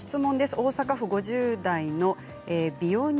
大阪府５０代の方です。